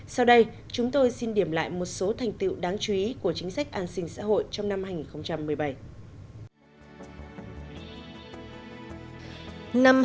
sau đây chúng tôi xin điểm lại một số thành tiệu đáng chú ý của chính sách an sinh xã hội trong năm hai nghìn một mươi bảy